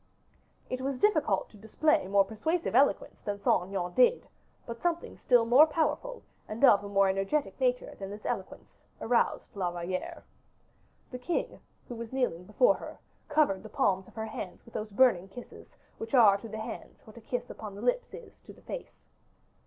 It was difficult to display more persuasive eloquence than Saint Aignan did, but something still more powerful, and of a more energetic nature than this eloquence, aroused La Valliere. The king, who was kneeling before her, covered the palms of her hands with those burning kisses which are to the hands what a kiss upon the lips is to the face.